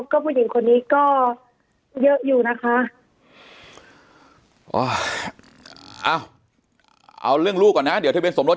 ก็ผู้หญิงคนนี้ก็เยอะอยู่นะคะอ๋อเอาเรื่องลูกก่อนนะเดี๋ยวทะเบียสมรส